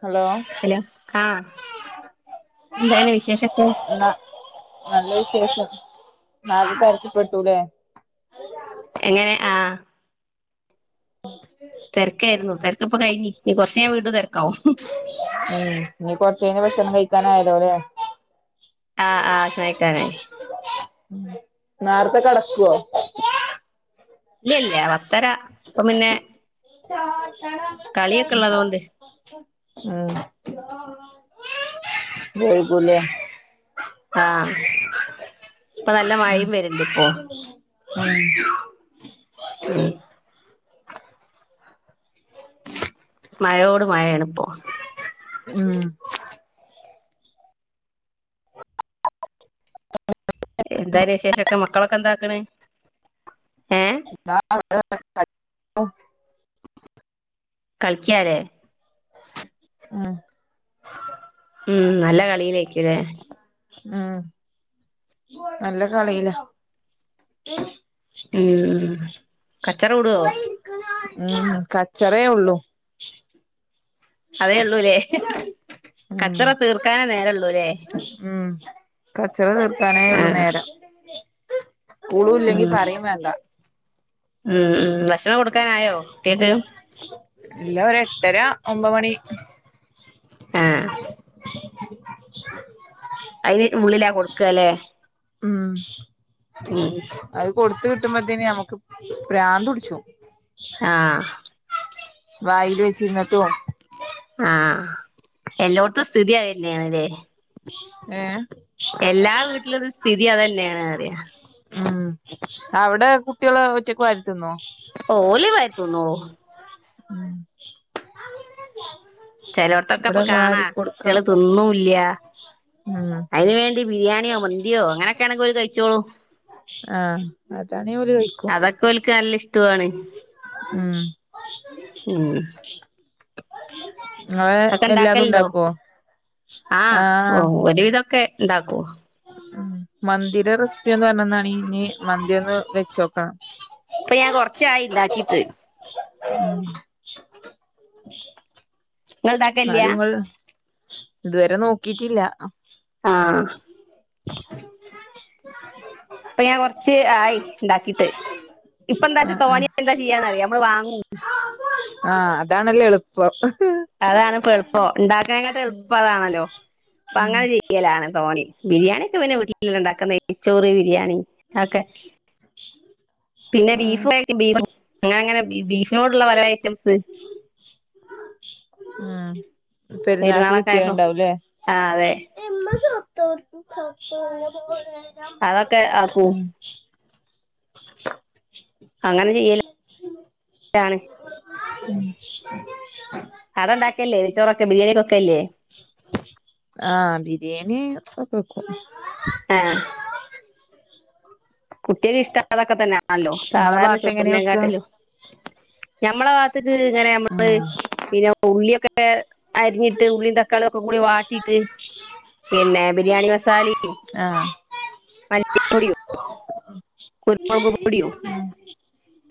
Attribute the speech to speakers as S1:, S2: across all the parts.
S1: Hello
S2: hello ക്കാ എന്താണ് വിശേഷൊക്കെ?
S1: ന നല്ല വിശേഷം [unintelligible] കരക്കിപ്പെട്ടൂലേ
S2: എങ്ങനെ ആഹ് തെരക്കേര്ന്നു തെരക്കിപ്പൊ കയിഞ്ഞി നി കൊർച്ചഴ്ഞ്ഞാ വീണ്ടും തെരക്കാവും.
S1: ഉം ഇനി കൊർച്ചഴിഞ്ഞ ഭക്ഷണം കഴിക്കാനായല്ലോല്ലെ
S2: ആഹ് ആഹ് ഭക്ഷണം കഴിക്കാനായി.
S1: ഉം നേർത്തെ കടക്കോ?
S2: ഇല്ല്യല്ല പത്തര ഇപ്പം പിന്നെ കളിയൊക്കെ ഉള്ളതുകൊണ്ട്
S1: ഉം ആഹ് വൈകുലേ
S2: ആഹ് ഇപ്പൊ നല്ല മയിം വെര്ണ്ട്പ്പോ.
S1: ഉം
S2: ഉം മഴയോട് മഴേണിപ്പോ.
S1: ഉം
S2: എന്താര് വിശേഷൊക്കെ മക്കളൊക്കെ എന്താക്ക്ണ്? ഏഹ്
S1: [unintelligible]
S2: കളിക്ക്യാലേ
S1: ഉം
S2: ഉം നല്ല കളിയിലേക്ക്യുല്ലേ?
S1: ഉം നല്ല കളിയിലാ.
S2: ഉം ഉം കച്ചറൂടോ?
S1: ഉം കച്ചറേ ഒള്ളൂ.
S2: അതേ ഒള്ളൂല്ലേ
S1: ഉം
S2: കച്ചറ തീർക്കാനേ നേരൊള്ളൂല്ലേ.
S1: ഉം കച്ചറ തീർക്കാനേ ഉള്ളു
S2: ആഹ്
S1: നേരം.
S2: ഉം
S1: സ്ക്കൂളൂല്ലെങ്കി പറിം മാണ്ടാ.
S2: ഉം ഉം ഭക്ഷണം കൊടുക്കാനായോ കുട്ട്യെക്ക്?
S1: ഇല്ല ഒരെട്ടര ഒമ്പ മണി.
S2: ആഹ അയിന് ഉള്ളിലാ കൊടുക്ക അല്ലേ
S1: അഹ
S2: ഉം
S1: അത് കൊടുത്ത കിട്ടുമ്പോത്തേന് നമ്മക്ക് പ്രാന്ത് ഉടിച്ചും
S2: ആ
S1: വായില് വെച്ചിരിന്നിട്ടും
S2: ആഹ എല്ലോടത്തെസ്ഥിതി അയന്നെണ്ല്ലെ
S1: ആഏ
S2: എല്ലാ വീട്ടിലും ഇ ത് സ്ഥിതി അത ന്നെണ് റിയ
S1: ഉം അവിടെ കുട്ടികള് ഒറ്റക്ക് വാരി തിന്നോ
S2: ഓലിവാരിതിന്നോളൂ
S1: ഉം
S2: ചിലോടത്തൊക്കെ ഇ
S1: ഇവിടെ
S2: പ്പകാണാ
S1: വാരി
S2: കുട്ടിയാ ള്
S1: കൊടുക്കണം
S2: തിന്നു ലു
S1: ഉം
S2: അയ്നിവേണ്ടി ബിരിയാണിയോ മന്തിയോ അങ്ങനൊക്കെയാണങ്കിൽ അവര്കഴിച്ചോളൂ
S1: ആഹ അതാണങ്കി ഓര് വയ്ക്കും
S2: അതൊക്കെ ഓര്ക്ക് നല്ല ഇഷ്ടവു ആണ്
S1: ഉം
S2: ഉം
S1: ഇങ്ങള്
S2: അതൊക്കെ
S1: എല്ലാതും
S2: ഇണ്ടാക്കലണ്ടോ
S1: ഉണ്ടാക്കുവോ
S2: ആഹ ഓ ഒരുവിധൊക്കെ ഉണ്ടാക്കു
S1: ഉ മന്തിയുടെ റെസിപ്പിന്ന് പറഞ്ഞ ന്നാനിം ഇനി മന്തി ഒന്ന് വെച്ചോക്കാം
S2: ഇപ്പൊ ഞാൻ കുറച്ച ആയി ഉണ്ടാക്കിയിട്ട്
S1: ഉം
S2: ഇങ്ങള് ഇണ്ടാക്കലില്ല
S1: എന്നാലും ങ്ങള്ഇതുവരെ നോക്കിട്ടില്ല [inaudible]
S2: ആഹ് ഇപ്പൊ ഞാൻ കുറച്ച് ആയി ഉണ്ടാക്കിട്ട് ഇപ്പൊ എന്താച്ചാ
S1: ആഹ്
S2: തോന്നിയ എന്താ ചെയ്യാന്ന്റിയാം നമ്മള് വാങ്ങു
S1: ആഹ അതാണല്ലേ എളുപ്പം
S2: അതാണ് ഇപ്പ എളുപ്പം ഉണ്ടാക്കങ്ങട്ട് എളുപ്പം അതാണല്ലോ അപ്പൊ
S1: ഉം
S2: അങ്ങനെ ചെയ്യലാണ് തോണി ബിരിയാണിക്കെ പിന്നെ വീട്ടില ഉണ്ടാക്കുന്നേച്ചോറി ബിരിയാണി ഒക്കെ പിന്നെ
S1: ആഹ്
S2: ബീഫ് കും ബീഫ് അങ്ങ [unintelligible] നെ അങ്ങനെ ബീഫിനോടുള്ള പല ഐറ്റംസ്
S1: ആഹ
S2: പെരുന്നാളൊക്കെ ആയപ്പോൊ ആ അതെ
S1: [inaudible]
S2: അതൊക്കെ ആക്കൂ
S1: ഉം
S2: അങ്ങനെ ചെയ്യലാണ്
S1: ഉം
S2: കട ഉണ്ടാക്കല്ലേ ഇരിച്ചോറൊെ ബിരിയാണിൊക്കല്ലേ
S1: ആഹ ബിരിയാണി ഒക്കെ വക്കും
S2: ആഹ കുട്ടികൾക്ക് ഇഷ്ട അതൊക്കെ തന്നെയാണല്ലോ
S1: നിങ്ങളെ
S2: സാധാരണ
S1: ഭാഗത്ത് എങ്ങനെ
S2: ചോറിനേെ
S1: വെക്കാ
S2: കാട്ടിലും ഞമ്മളെ ഭാഗത്തി്ന് ഇങ്ങനെ നമ്മള്
S1: ഉം
S2: പിന്നെ ഉള്ളിയൊക്കെ ഒ അരിഞ്ഞിട്ട് ഉള്ളിും തക്കാളിയ ഒക്കെ കൂടി വാട്ടിയിട്ട് പിന്നെ ബിരിയാണി മസാലിം
S1: ആഹ
S2: കുരുമുളക് പൊടിയും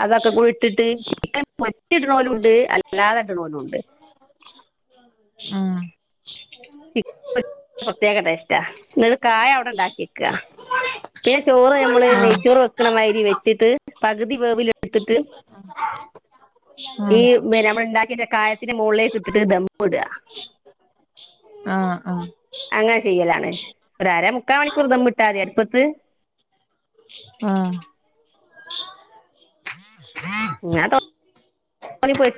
S2: അതൊക്കെ കൂടെ ഇട്ടിട്ട് ചിക്കൻ പൊരിച്ച് ഇട്ടണ വരും ഉണ്ട് അല്ലാതെ ഇടണ വരു പോലും ഉണ്ട്
S1: ആഹ
S2: ചിക്കൻ പ്രത്യേക ടേസ്റ്റ ആ ഇത് കായ അവിടെ ഉണ്ടാക്കി വെക്കുക പിന്നെ ചോറ് നമ്മള് നെയ്ച്ചോറ് വെക്കണമാതിരി വെച്ചിട്ട് പകുതി വേവില എടുത്തിട്ട് [unintelligible] ഈ നമ്മൾ ഉണ്ടാക്കിയിട്ട് കായത്തിന്റെ മുകളിലേ ഇട്ടിട്ട് ദമ്മ് ഇടുക
S1: ആഹ് ആഹ് ആഹ് ആഹ്
S2: [unintelligible] അങ്ങനെ ചെയ്യലാണ് ഒര അര മുക്കാ മണിക്കൂർ ദമ്മ് ഇട്ടാ മതി അടുപ്പത്ത്
S1: ആഹ്
S2: ഞൻ തോനിം [unintelligible]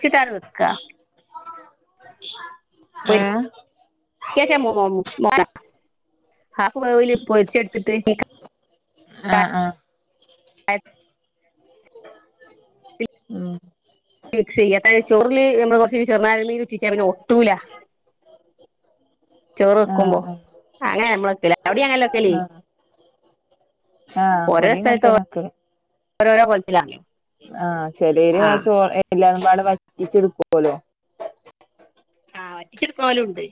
S1: ഏഹ്
S2: പൊരിക്കചാ [unintelligible] ഹാഫ് വേവില് പൊരിച്ചെടുത്തിട്ട്
S1: ആഹ് ആഹ്
S2: കായത്തിൽ
S1: ഉം
S2: മിക്സ് ചെയ്യ അതായ ചോറില് നമ്മള് കുറച്ച് ചെറുനാരങ്ങ നീര് ഉറ്റിച്ചാ പിന്നെ ഒട്ടൂല ചോറ് വെക്കുമ്പോ
S1: ആഹ് ആഹ്
S2: അങ്ങനെ നമ്മള് വെക്കല് അവടിം അങ്ങനെല്ലേ വെക്കല്
S1: ആഹ് ആഹ്
S2: ഓരോ
S1: ഇവടിം
S2: സ്ഥലത്ത്
S1: ഇങ്ങൻത്തന്നെ വെക്കല്
S2: ഓരോരോ കോലത്തിലാ
S1: ആഹ് ചെലൊരു ആ ചോ എല്ലതും പാടെ വറ്റിച്ചെടുക്കോലോ
S2: വറ്റിച്ചേടക്കണോലുണ്ട്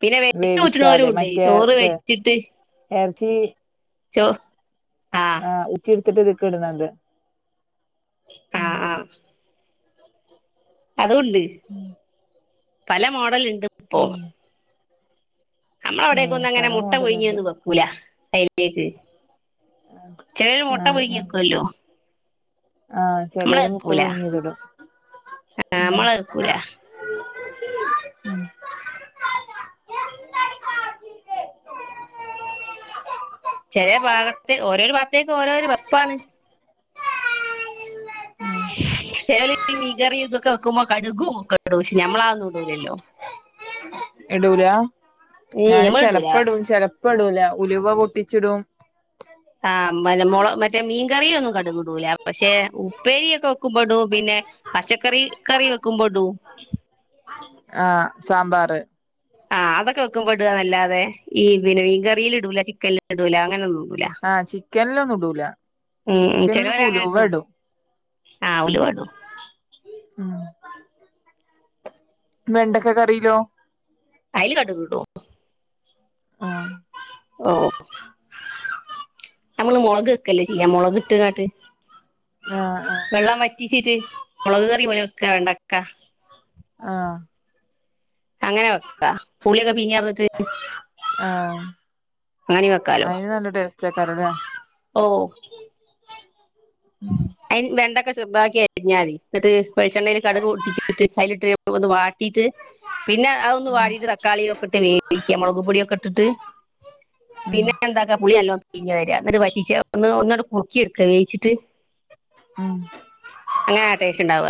S2: പിന്നെ വെചൂറ്റുണോരും
S1: വേവിച്ചാതെ
S2: ഉണ്ട്‌
S1: മറ്റേ
S2: ചോറ്
S1: ഇത്
S2: വെച്ചിട്ട്
S1: എറച്ചി
S2: ചോ ആഹ് ആഹ്
S1: [inaudible]
S2: അതൂണ്ട് പല മോഡലണ്ട് ഇപ്പോ
S1: ഉം
S2: നമ്മള
S1: ഉം
S2: അവിടെക്കൊന്നു ഒന്ന് അങ്ങനെ
S1: പല
S2: മുട്ട
S1: മോഡല്ണ്ട്
S2: പുഴുഞ്ഞിയതൊന്നും വെക്കൂ ല അയ്ലേക്ക് ചിലര് മുട്ട
S1: ആഹ്
S2: പുഴുങ്ങി
S1: ആഹ്
S2: വെക്കുവല്ലോ
S1: ആഹ് ചെലോര് മുട്ട
S2: നമ്മളക്കൂല
S1: പുഴുങ്ങിയത്ടും
S2: ആഹ്
S1: ഉം
S2: നമ്മള് വെക്കൂല ചേലെ ഭാഗത്തെ ഓരോരു ഭാഗത്തേക്കും ഓരോരു വെപ്പാണ് ചെലൊരു മീൻ കറിയൊക്കെ ഇതൊക്കെ വെക്കുമ്പോ കടുകും ഒക്കെ ഇടും പക്ഷേ ഞമ്മളാന്നും ഇടൂലല്ലോ [inaudible]
S1: ഇടൂല
S2: ഏയ്
S1: ഞാന്
S2: ഞമ്മള് ഇടൂല
S1: ചെലപ്പോ ഇടും ചെലപ്പ ഇടൂല ഉലുവ പൊട്ടിച്ചിടും
S2: ആഹ് മലമുള മറ്റേ മീൻകറിയ ഒന്നും കടുകിടൂല പക്ഷെ ഉപ്പേരി ഒക്കെ വെക്കുമ്പോ ഇടും പിന്നെ പച്ചക്കറി കറി വെക്കുമ്പൊ ഇടും
S1: ആഹ് സാമ്പാർ
S2: ആഹ് അതൊക്കെ വെക്ക്മ്പൊ ഇടാ ന്ന ല്ലാതെ ഈ പിന്ന ഈ മീൻ കറിയിൽ ഇടൂല ചിക്കനിൽ ഇടൂല അങ്ങനെൊന്നും
S1: ആഹ് ചിക്കനിലൊന്നും ഇടൂല
S2: ഉം
S1: ചിക്കനില് ഉലുവ ഇടും
S2: ആഹ് ഉലുവടും
S1: ഉ വെണ്ടക്ക കറിലോ?
S2: അയിൽ കടുക് ഇടും
S1: ആഹ്
S2: ഓഹ് നമ്മള് മുളക് വെക്കല്ലേ ചെയ്യാ മുളക് ഇട്ടുങ്ങാണ്ട്
S1: ആഹ്
S2: വെള്ളം വറ്റിച്ചിട്ട് മുളക് കറി പോല വെക്കാ വെണ്ടക്ക
S1: ആഹ്
S2: അങ്ങനെ വെക്കാ പുളിയൊക്കെ പീഞ്ഞു പാർന്നിട്ട്
S1: ആഹ്
S2: അങ്ങനെ വെക്കാലോ
S1: പച്ചക്കറി ല്ലേ
S2: ഓഹ്
S1: ഉം
S2: അതിന് വെണ്ടൊക്കെ ചെറുതാക്കി അരിഞാ മതി എന്നിട്ട് വെളിച്ചെണ്ണയിൽ കടുക് പൊട്ടിച്ചിട്ട് അതിലിട്ട് ഒന്ന് വാട്ടിയിട്ട് പിന്നെ അതൊന്ന്
S1: ഉം
S2: വാടിയിട്ട് തക്കാളിയൊക്കെ ഇട്ട് വേവിക്ക മുളക് പൊടിയൊക്കെ ഇട്ടിട്ട്
S1: ഉം
S2: പിന്നെ എന്താക്കാ പുളിനല്ലോ പിഞ്ഞ വരാ എന്നി് വറ്റിച്ച ഒന്ന് ഒന്നോടെ കുറുക്കി എടുക്കാ വേവിച്ചിട്ട്
S1: [unintelligible]
S2: അങ്ങനെ ടേസ്റ്റ് ഉണ്ടാവ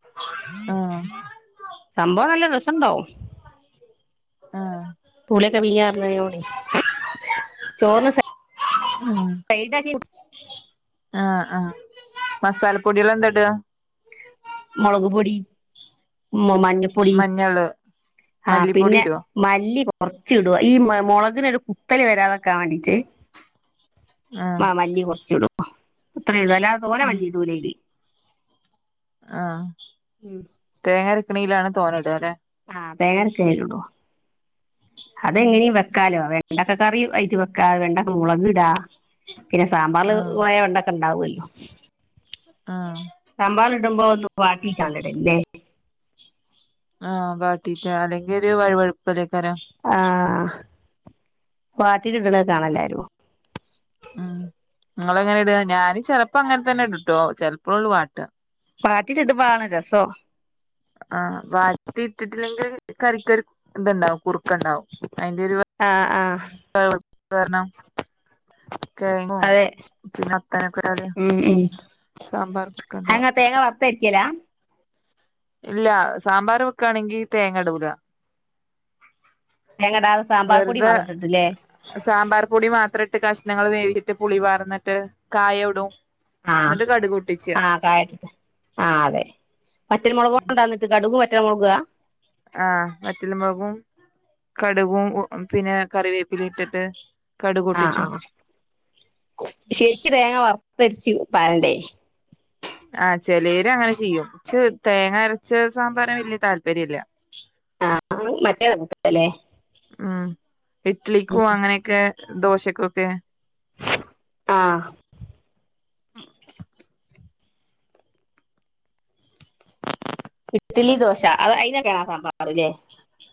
S1: [inaudible]
S2: സംഭവം നല്ല രസ ണ്ടാവും
S1: ആഹ്
S2: പൂളിയൊക്കെ പീ ഞാർന്ന് കൊടേ ചോറിന്ന്
S1: ഉം
S2: സൈഡാക്കി
S1: ആഹ് ആഹ് മസാലപ്പൊടേള് എന്താട
S2: മൊളക് പൊടി മ് മഞ്ഞപ്പൊടി
S1: മഞ്ഞള്
S2: ആ
S1: മല്ലിപ്പൊടി
S2: പിന്നെ
S1: ഇടോ
S2: മല്ലി കൊറച്ച് ഇടും ഈ മ മൊളകിനൊരു കുത്തൽ വരാതക്കാ വാണ്ടീറ്റ്
S1: ആഹ്
S2: ആ മല്ലി കൊറച്ച് ഇടും ഇത്രയൊള്ളൂ അല്ലാതെ തോന
S1: ആഹ്
S2: മല്ലിടൂലയ്ല്
S1: ആഹ്
S2: ഉം
S1: തേങ്ങരക്ക്ണീലാണ് തോന്നടാലെ
S2: ആഹ് തേങ്ങ അരക്ക്നേല്ടോ അതെങ്ങനിം വെക്കാലോ വെണ്ടക്ക കറി അയ്റ്റ് വെക്ക വെണ്ടക്ക മുളക് ഇടാ പിന്നെ സാമ്പാറ്ൽ
S1: ആഹ്
S2: കൊറേവെണ്ട ക്കണ്ടാവൊല്ലോ
S1: ആഹ്
S2: സാമ്പാർല്ട്മ്പോ ഒന്ന്‌ വാട്ടീട്ടാണ് ടല്ല്ലേ
S1: ആഹ് ബാട്ടീട്ട അല്ലെങ്കി ഒര് വഴ് വഴുപ്പല്ലേക്കാരം
S2: ആഹ് വാട്ടിട്ണ കാണ എല്ലാരും
S1: ഉം ങ്ങളെങ്ങനെ ഇട ഞാന് ചെലപ്പോ അങ്ങൻ തന്നെ ഇടുട്ടോ ചലപ്പോള്ളൂ വാട്ട
S2: വാട്ടിട്ട് ട്മ്പാണ് രസോ
S1: ആഹ് വാട്ടി ഇട്ടിട്ടില്ലെങ്കിൽ കറിക്കൊരു ഇത്ണ്ടാവും കുറുക്കണ്ടാവും അയ്ന്റെ ഒര്
S2: ആഹ് ആഹ്
S1: [unintelligible] വെര്ന്നം കേങ്ങും
S2: അതെ
S1: പിന്നെ
S2: ഉം ഉം
S1: [unintelligible] സാമ്പാർ കുക്കണ്ടോ
S2: അങ്ങ [unintelligible]
S1: ഇല്ല സാമ്പാർ വെക്കാണെങ്കി തേങ്ങടൂല
S2: തേങ്ങടാതെ സാമ്പാർ പൊടി
S1: വെറുതെ
S2: മാത്ര ട്ട്ട്ടില്ലേ
S1: സാമ്പാർ പൊടി മാത്രം ഇട്ട് കഷ്ണങ്ങൾ വേവിച്ചിട്ട് പുളി പാർന്ന്ട്ട് കായും ഇടും
S2: ആഹ്
S1: എന്നിട്ട് കടുക് പൊട്ടിച്ചാ
S2: ആഹ് കായട്ട്ട്ട് ആ അതെ പറ്റൽ മൊളക് കൊണ്ടന്നിട്ട് കടുകും പറ്റൽ മൊളകാ
S1: ആഹ് വറ്റൽ മൊൾകും കട്കും പിന്നെ കറിവേപ്പിലിം ഇട്ടിട്ട് കടുക്
S2: ആഹ്
S1: പൊട്ടിച്ചും
S2: ആഹ് ശരിക്ക്‌ തേങ്ങ വർത്തരച്ച് പാരണ്ടേ
S1: ആഹ് ചെലേര് അങ്ങനെ ചിയ്യും ച്ച് തേങ്ങരച്ച സാമ്പാറാ വല്ല്യ താല്പര്യല്ല
S2: ആഹ് മറ്റേ [unintelligible]
S1: ഉം ഇട്ളിക്കും അങ്ങനൊക്കെ ദോശക്കൊക്കെ
S2: ആഹ് ഇട്ളി ദോശ അത് അതിനൊക്കെണാ സാമ്പാർല്ലേ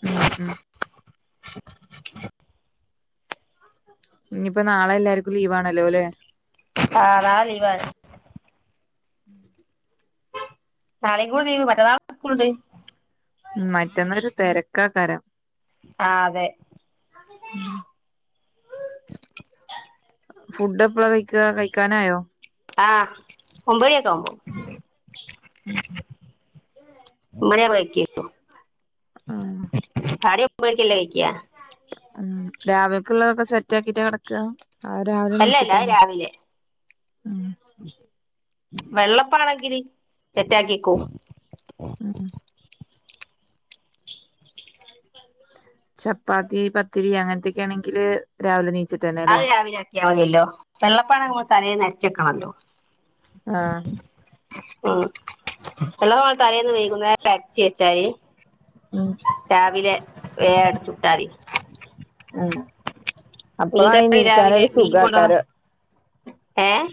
S1: ഉം ഉം ഞ്ഞ്പ്പ നാളെല്ലാര്ക്കും ലീവാണല്ലോ ല്ലേ
S2: ആഹ്‌ നാള ലീവാ നാളീം കൂടി ലീവ് മറ്റന്നാ സ്കൂൾണ്ട്
S1: ഉം മറ്റന്നൊരു തെരക്കാകാരം
S2: ആഹ് അതെ
S1: ഫുഡ് എപ്പള കഴിക്കാ കഴിക്കാനായോ
S2: ആഹ് ഒമ്പണിയൊക്കെ ആവുമ്പോ
S1: ഉം ആഹ്
S2: [unintelligible] കഴിക്ക
S1: രാവിലക്കുള്ളതൊക്കെ സെറ്റ് ആക്കിട്ട കിടക്ക അഹ് രാവിലെ
S2: അല്ലല്ല അത്
S1: നീച്ചിട്ടന്നെ
S2: രാവിലെ
S1: ഉം
S2: വെള്ളപ്പാണെങ്കില് സെറ്റാക്കിക്കു
S1: ഉം ഉം
S2: [inaudible]
S1: ചപ്പാത്തി പത്തിരി അങ്ങനത്തൊക്കെ ആണെങ്കിൽ രാവിലെ എണീച്ചറ്റ്
S2: അത് രാവിലെ ആക്കിയാൽ മതിയല്ലോ വെള്ളപ്പാണേൽ നമ്മള് തലേന്ന് അരച്ചു വെക്കണല്ലോ
S1: ആഹ്
S2: ആഹ് എല്ലാം നമ്മള് തലേന്ന് വൈകുന്നേരം അരച്ച് വെച്ചാല്
S1: ഉം
S2: രാവിലെ വേഗാട ചുട്ടാതി
S1: ഉം
S2: മീൻ
S1: അപ്പളാണ് ഈ
S2: കറി രാവിലെ
S1: നീച്ചാനൊരു
S2: മീൻ കൊട
S1: സുഖാക്കാരം
S2: ഏഹ്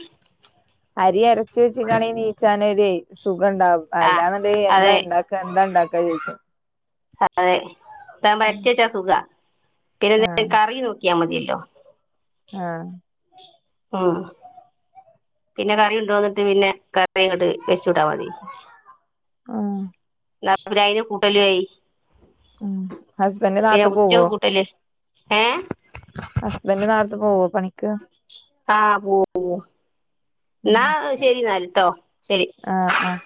S1: അരി അരച്ച് വെച്ച് കണെ നീച്ചാനൊ ഒരു സുഖം ഉണ്ടാവും
S2: ആഹ്
S1: അല്ലാന്നണ്ട് എന്താ
S2: അതെ
S1: ഇണ്ട എന്താ ഉണ്ടാക്കാ ചോദിച്ചു
S2: അതെ ഇതാവുമ്പോ അരച്ച് വെച്ചാ സുഖാ പിന്നെ എന്ത
S1: ആഹ്
S2: കറി നോക്കിയാൽ മതിയല്ലോ
S1: ആഹ്
S2: ഉം പിന്നെ കറി കൊണ്ടുവന്നിട്ട് പിന്നെ കറി ഇങ്ങോട്ട് വെച്ചുടാ മതി
S1: ആഹ്
S2: യിന് കൂട്ടലും ആയി
S1: ഉം ഹസ്ബൻഡ് നേരത്തെ പോവോ
S2: ഏഹ്
S1: ഹസ്ബൻഡ് നേരത്തെ പോവോ പണിക്ക്
S2: ആഹ് പോവും എന്നാ ശരി എന്നാൽ കേട്ടോ ശരി
S1: ആഹ് ആഹ്